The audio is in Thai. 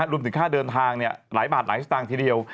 รวมถึงค่าเดินทางหลายบาทหลายสตางค์ทีเดียว